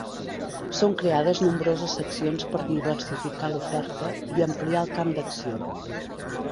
Són creades nombroses seccions per diversificar l'oferta i ampliar el camp d'acció.